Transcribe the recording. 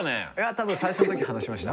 多分最初のとき話しました。